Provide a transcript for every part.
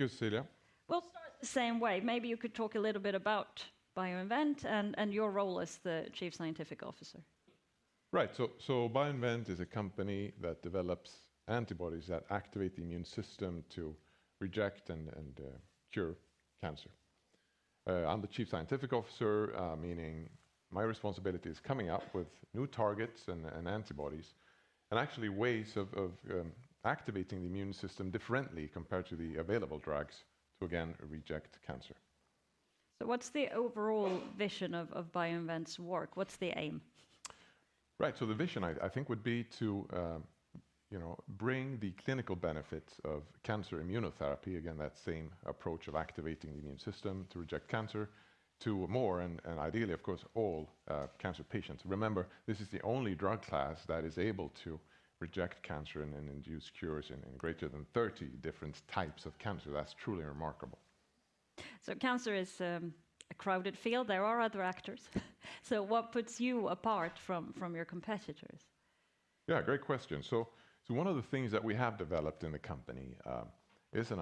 Thank you, Celia. We'll start the same way. Maybe you could talk a little bit about BioInvent and your role as the Chief Scientific Officer. Right. So BioInvent is a company that develops antibodies that activate the immune system to reject and cure cancer. I'm the Chief Scientific Officer, meaning my responsibility is coming up with new targets and antibodies, and actually ways of activating the immune system differently compared to the available drugs to, again, reject cancer. So what's the overall vision of BioInvent's work? What's the aim? Right. So the vision, I think, would be to bring the clinical benefits of cancer immunotherapy, again, that same approach of activating the immune system to reject cancer, to more and ideally, of course, all cancer patients. Remember, this is the only drug class that is able to reject cancer and induce cures in greater than 30 different types of cancer. That's truly remarkable. So cancer is a crowded field. There are other actors. So what puts you apart from your competitors? Yeah, great question. So one of the things that we have developed in the company is an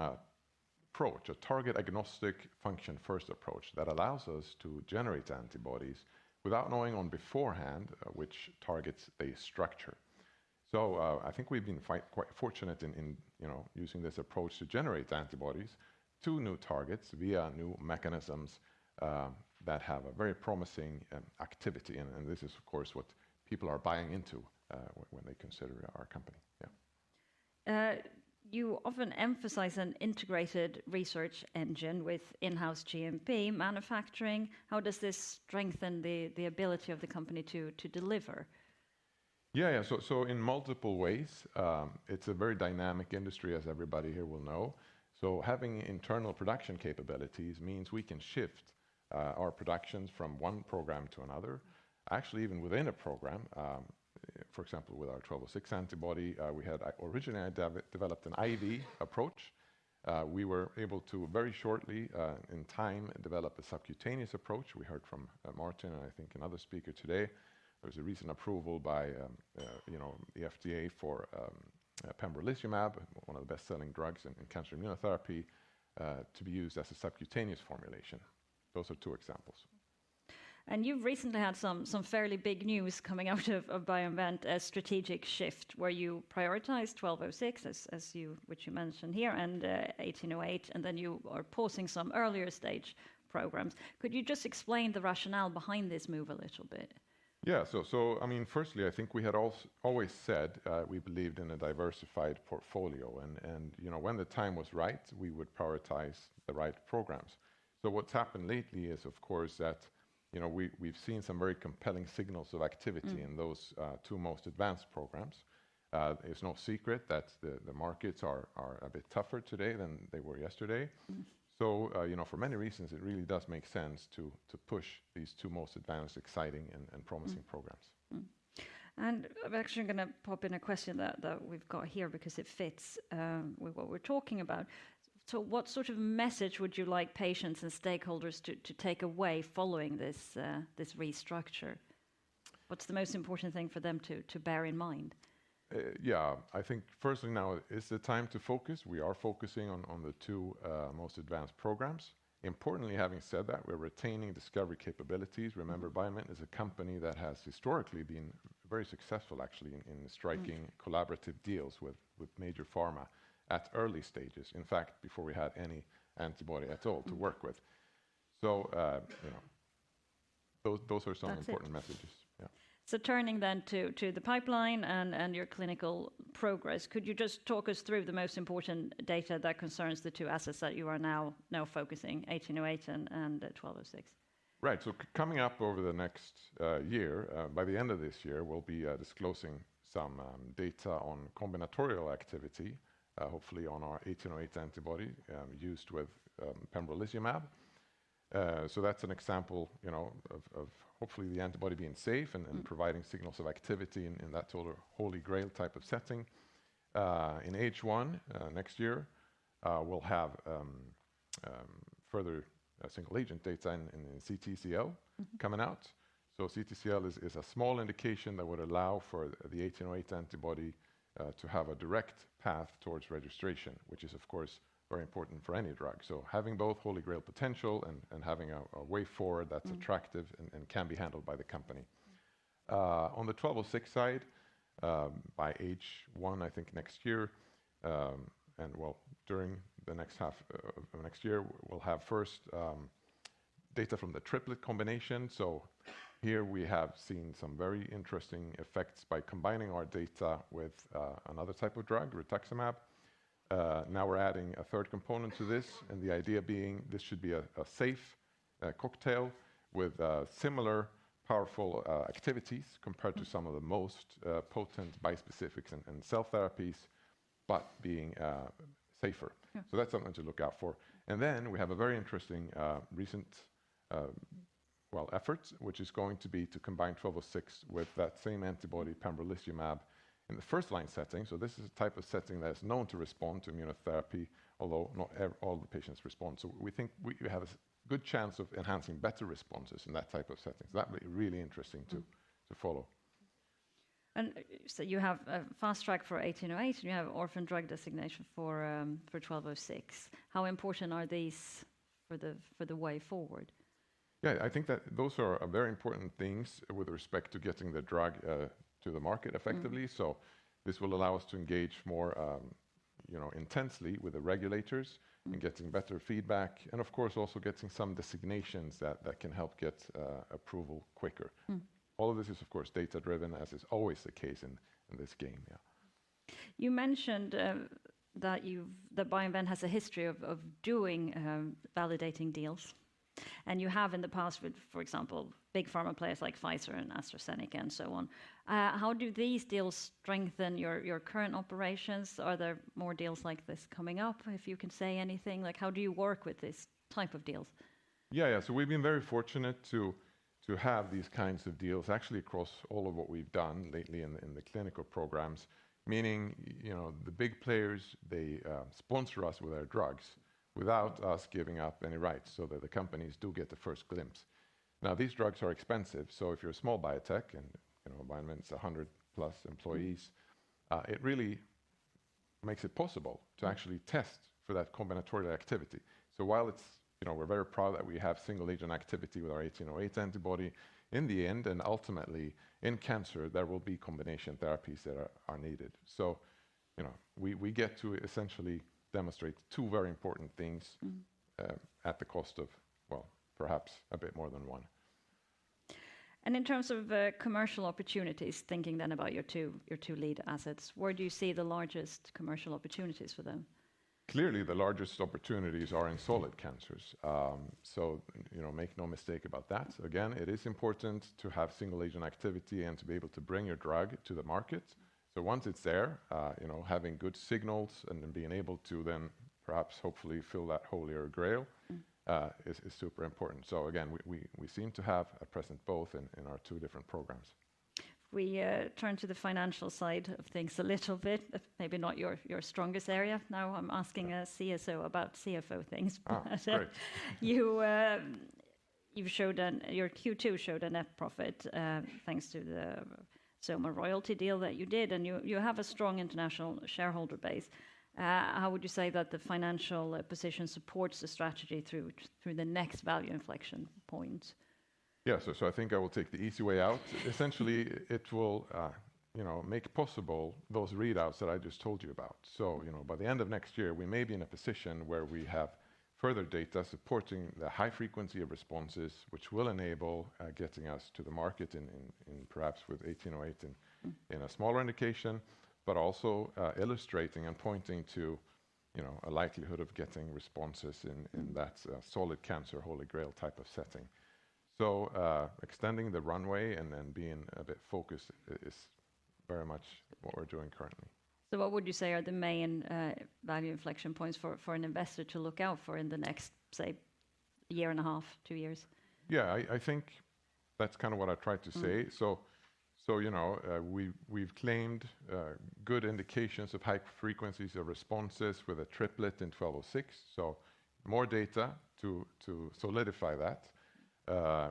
approach, a target-agnostic, function-first approach that allows us to generate antibodies without knowing beforehand which targets they target. So I think we've been quite fortunate in using this approach to generate antibodies to new targets via new mechanisms that have a very promising activity. And this is, of course, what people are buying into when they consider our company. Yeah. You often emphasize an integrated research engine with in-house GMP manufacturing. How does this strengthen the ability of the company to deliver? Yeah, yeah, so in multiple ways, it's a very dynamic industry, as everybody here will know, so having internal production capabilities means we can shift our productions from one program to another, actually even within a program. For example, with our BI-1206 antibody, we had originally developed an IV approach. We were able to very shortly in time develop a subcutaneous approach. We heard from Martin, and I think another speaker today. There was a recent approval by the FDA for pembrolizumab, one of the best-selling drugs in cancer immunotherapy, to be used as a subcutaneous formulation. Those are two examples. You've recently had some fairly big news coming out of BioInvent, a strategic shift where you prioritized 1206, which you mentioned here, and 1808, and then you are pausing some earlier stage programs. Could you just explain the rationale behind this move a little bit? Yeah. So, I mean, firstly, I think we had always said we believed in a diversified portfolio. And when the time was right, we would prioritize the right programs. So what's happened lately is, of course, that we've seen some very compelling signals of activity in those two most advanced programs. It's no secret that the markets are a bit tougher today than they were yesterday. So for many reasons, it really does make sense to push these two most advanced, exciting, and promising programs. And I'm actually going to pop in a question that we've got here because it fits with what we're talking about. So what sort of message would you like patients and stakeholders to take away following this restructure? What's the most important thing for them to bear in mind? Yeah. I think, firstly, now is the time to focus. We are focusing on the two most advanced programs. Importantly, having said that, we are retaining discovery capabilities. Remember, BioInvent is a company that has historically been very successful, actually, in striking collaborative deals with major pharma at early stages, in fact, before we had any antibody at all to work with. So those are some important messages. Yeah. So turning then to the pipeline and your clinical progress, could you just talk us through the most important data that concerns the two assets that you are now focusing, 1808 and 1206? Right. So coming up over the next year, by the end of this year, we'll be disclosing some data on combinatorial activity, hopefully on our 1808 antibody used with pembrolizumab. So that's an example of hopefully the antibody being safe and providing signals of activity in that sort of holy grail type of setting. In H1 next year, we'll have further single-agent data in CTCL coming out. So CTCL is a small indication that would allow for the 1808 antibody to have a direct path towards registration, which is, of course, very important for any drug. So having both holy grail potential and having a way forward that's attractive and can be handled by the company. On the 1206 side, by H1, I think next year, and well, during the next half of next year, we'll have first data from the triplet combination. So here we have seen some very interesting effects by combining our data with another type of drug, rituximab. Now we're adding a third component to this, and the idea being this should be a safe cocktail with similar powerful activities compared to some of the most potent bispecifics and cell therapies, but being safer. So that's something to look out for. And then we have a very interesting recent, well, effort, which is going to be to combine 1206 with that same antibody, pembrolizumab, in the first-line setting. So this is a type of setting that is known to respond to immunotherapy, although not all the patients respond. So we think we have a good chance of enhancing better responses in that type of setting. So that'll be really interesting to follow. And so you have a Fast Track for 1808, and you have an Orphan Drug Designation for 1206. How important are these for the way forward? Yeah, I think that those are very important things with respect to getting the drug to the market effectively. So this will allow us to engage more intensely with the regulators and getting better feedback, and of course, also getting some designations that can help get approval quicker. All of this is, of course, data-driven, as is always the case in this game. Yeah. You mentioned that BioInvent has a history of doing validating deals, and you have in the past with, for example, big pharma players like Pfizer and AstraZeneca and so on. How do these deals strengthen your current operations? Are there more deals like this coming up, if you can say anything? How do you work with this type of deals? Yeah, yeah. So we've been very fortunate to have these kinds of deals, actually, across all of what we've done lately in the clinical programs, meaning the big players. They sponsor us with our drugs without us giving up any rights so that the companies do get the first glimpse. Now, these drugs are expensive. So if you're a small biotech and BioInvent's 100-plus employees, it really makes it possible to actually test for that combinatorial activity. So while we're very proud that we have single-agent activity with our 1808 antibody, in the end, and ultimately in cancer, there will be combination therapies that are needed. So we get to essentially demonstrate two very important things at the cost of, well, perhaps a bit more than one. In terms of commercial opportunities, thinking then about your two lead assets, where do you see the largest commercial opportunities for them? Clearly, the largest opportunities are in solid cancers. So make no mistake about that. Again, it is important to have single-agent activity and to be able to bring your drug to the market. So once it's there, having good signals and being able to then perhaps, hopefully, fill that holy grail is super important. So again, we seem to have at present both in our two different programs. We turn to the financial side of things a little bit, maybe not your strongest area. Now I'm asking a CSO about CFO things. That's right. You showed your Q2 a net profit thanks to the XOMA royalty deal that you did, and you have a strong international shareholder base. How would you say that the financial position supports the strategy through the next value inflection point? Yeah. So I think I will take the easy way out. Essentially, it will make possible those readouts that I just told you about. So by the end of next year, we may be in a position where we have further data supporting the high frequency of responses, which will enable getting us to the market in perhaps with 1808 and in a smaller indication, but also illustrating and pointing to a likelihood of getting responses in that solid cancer holy grail type of setting. So extending the runway and then being a bit focused is very much what we're doing currently. So what would you say are the main value inflection points for an investor to look out for in the next, say, year and a half, two years? Yeah, I think that's kind of what I tried to say. So we've claimed good indications of high frequencies of responses with a triplet in 1206. So more data to solidify that.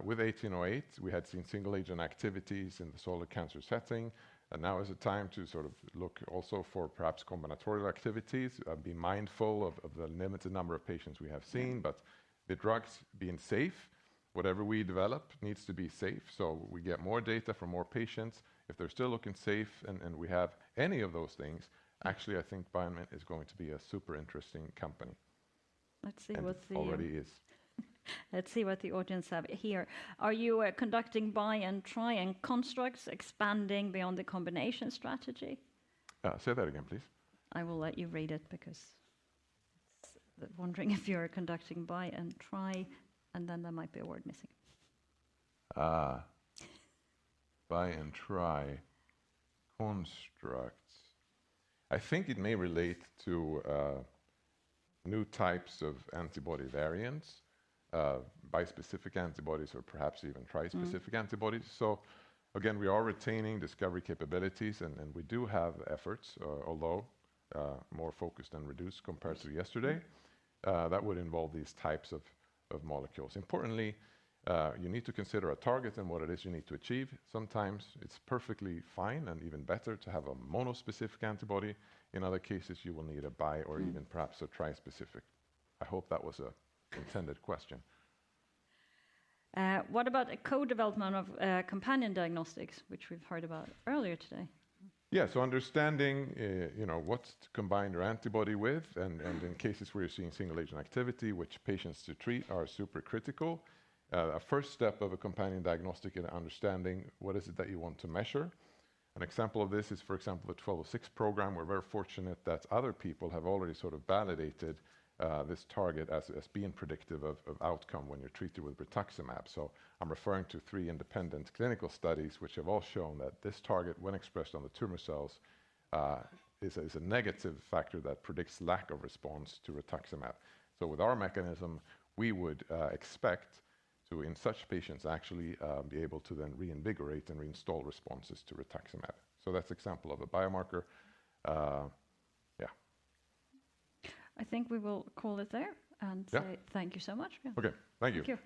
With 1808, we had seen single-agent activities in the solid cancer setting. And now is the time to sort of look also for perhaps combinatorial activities, be mindful of the limited number of patients we have seen. But the drugs being safe, whatever we develop needs to be safe. So we get more data from more patients. If they're still looking safe and we have any of those things, actually, I think BioInvent is going to be a super interesting company. Let's see what the. It already is. Let's see what the audience have here. Are you conducting Bi- and Tri- and constructs expanding beyond the combination strategy? Say that again, please. I will let you read it because wondering if you're conducting Bi- and Tri-, and then there might be a word missing. Buy-and-try constructs. I think it may relate to new types of antibody variants, bispecific antibodies, or perhaps even trispecific antibodies. So again, we are retaining discovery capabilities, and we do have efforts, although more focused and reduced compared to yesterday. That would involve these types of molecules. Importantly, you need to consider a target and what it is you need to achieve. Sometimes it's perfectly fine and even better to have a monospecific antibody. In other cases, you will need a bi or even perhaps a trispecific. I hope that was an intended question. What about a co-development of companion diagnostics, which we've heard about earlier today? Yeah. So understanding what's to combine your antibody with, and in cases where you're seeing single-agent activity, which patients to treat are super critical, a first step of a companion diagnostic in understanding what is it that you want to measure. An example of this is, for example, the 1206 program. We're very fortunate that other people have already sort of validated this target as being predictive of outcome when you're treated with rituximab. So I'm referring to three independent clinical studies, which have all shown that this target, when expressed on the tumor cells, is a negative factor that predicts lack of response to rituximab. So with our mechanism, we would expect to, in such patients, actually be able to then reinvigorate and reinstall responses to rituximab. So that's an example of a biomarker. Yeah. I think we will call it there and say thank you so much. Okay. Thank you.